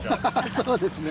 そうですね